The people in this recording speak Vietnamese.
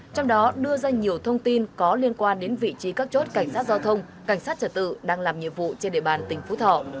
trong đó đưa ra nhiều thông tin có liên quan đến vị trí các chốt cảnh sát giao thông cảnh sát trật tự đang làm nhiệm vụ trên địa bàn tỉnh phú thọ